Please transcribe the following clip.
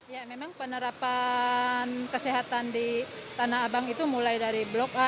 ya memang penerapan kesehatan di tanah abang itu mulai dari blok a